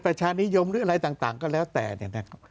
ประชานิยมหรืออะไรต่างก็แล้วแต่เนี่ยนะครับ